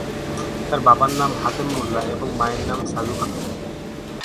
তার বাবার নাম হাতেম মোল্লা এবং মায়ের নাম সাজু খাতুন।